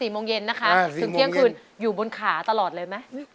๔โมงเย็นนะคะถึงเที่ยงคืนอยู่บนขาตลอดเลยไหม